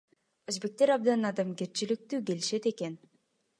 Өзбектер абдан адамгерчиликтүү келишет экен.